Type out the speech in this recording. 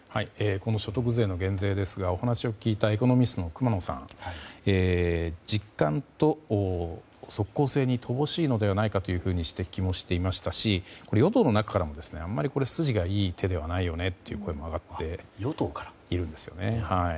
この所得税の減税ですがお話を聞いたエコノミストの熊野さん実感と即効性に乏しいのではないかと指摘をしていましたし与党の中からもあんまり筋がいい手ではないよねという声も上がっているんですよね。